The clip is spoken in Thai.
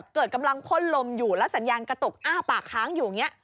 กำลังพ่นลมอยู่แล้วสัญญาณกระตุกอ้าปากค้างอยู่อย่างนี้